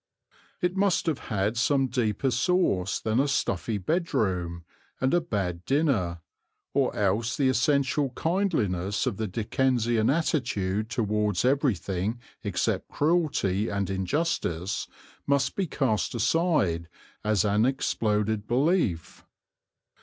It must have had some deeper source than a stuffy bedroom and a bad dinner, or else the essential kindliness of the Dickensian attitude towards everything except cruelty and injustice must be cast aside as an exploded belief.